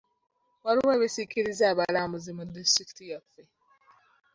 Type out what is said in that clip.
Waliwo ebisikiriza abulambuzi bingi mu disitulikiti yaffe.